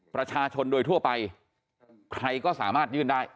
ประชาชนโดยทั่วไปใครก็สามารถยื่นได้